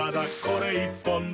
これ１本で」